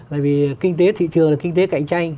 bởi vì kinh tế thị trường là kinh tế cạnh tranh